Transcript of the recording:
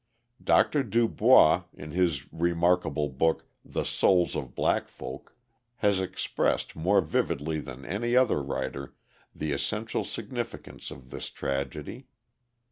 Dr. DuBois in his remarkable book, "The Souls of Black Folk," has expressed more vividly than any other writer the essential significance of this tragedy.